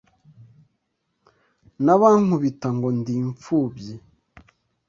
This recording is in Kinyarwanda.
N'abankubita ngo ndi imfubyi